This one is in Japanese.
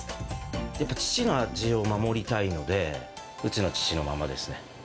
やっぱ父の味を守りたいので、うちの父のままですね。